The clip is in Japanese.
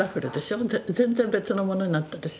全然別のものになったでしょ。